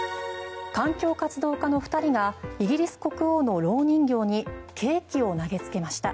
環境活動家の２人がイギリス国王のろう人形にケーキを投げつけました。